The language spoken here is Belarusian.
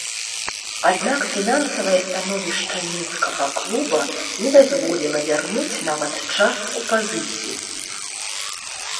Аднак фінансавае становішча мінскага клуба не дазволіла вярнуць нават частку пазыкі.